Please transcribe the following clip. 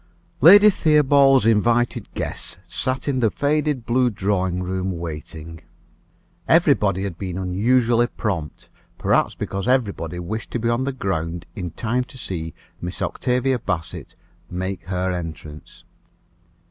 Lady Theobald's invited guests sat in the faded blue drawing room, waiting. Everybody had been unusually prompt, perhaps because everybody wished to be on the ground in time to see Miss Octavia Bassett make her entrance.